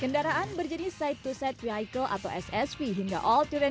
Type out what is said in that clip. kendaraan berjenis side to side vehicle atau ssv hingga all to ren